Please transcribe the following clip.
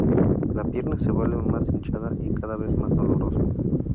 La pierna se vuelve más hinchada y cada vez más doloroso.